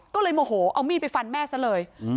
ก็เลยโมโหเอามีดไปฟันแม่ซะเลย